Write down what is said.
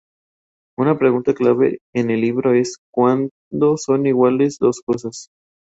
Una pregunta clave en el libro es: "¿Cuándo son iguales dos cosas?